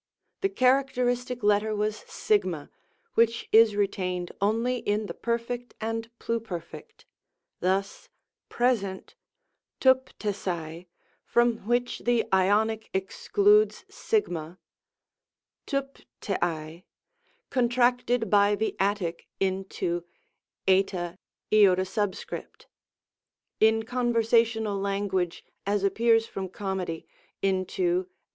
The characteristic letter was Sigma, which is retained only in the Perf. and Pluperf. Thns, Pres. rvnTtoaiy from which the Ionic excludes 6 ; TVTCTtaty contracted by the Attic into ri ; in con versational language, as appears from Comedy, into u.